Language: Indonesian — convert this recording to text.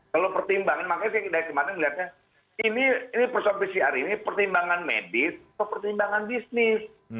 kalau pertimbangan makanya saya dari kemarin melihatnya ini persoalan pcr ini pertimbangan medis atau pertimbangan bisnis